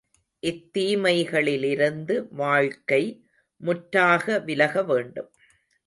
இத் தீமைகளிலிருந்து வாழ்க்கை முற்றாக விலக வேண்டும்.